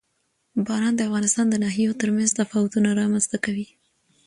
باران د افغانستان د ناحیو ترمنځ تفاوتونه رامنځ ته کوي.